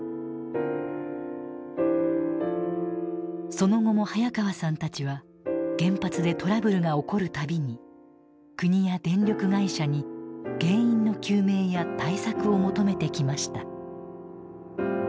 その後も早川さんたちは原発でトラブルが起こる度に国や電力会社に原因の究明や対策を求めてきました。